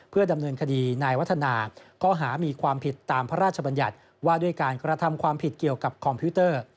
เพื่อดำเนินคดีนายวัฒนาข้อหามีความผิดตามพระราชบัญญัติว่าด้วยการกระทำความผิดเกี่ยวกับคอมพิวเตอร์